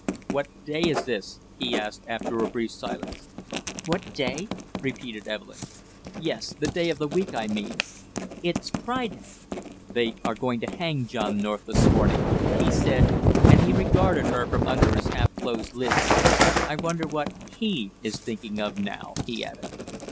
"What day is this?" he asked after a brief silence. "What day?" repeated Evelyn. "Yes the day of the week, I mean?" "It's Friday." "They are going to hang John North this morning!" he said, and he regarded her from under his half closed lids. "I wonder what he is thinking of now?" he added.